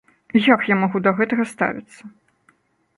Як я магу да гэтага ставіцца?